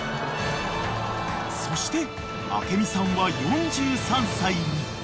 ［そして明美さんは４３歳に］